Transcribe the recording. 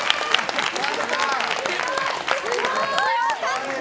すごい！強かった！